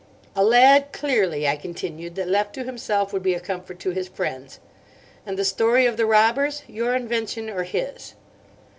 "A lad, clearly," I continued, "that left to himself would be a comfort to his friends. And the story of the robbers—your invention or his?"